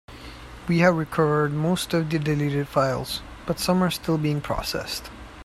We have recovered most of the deleted files, but some are still being processed.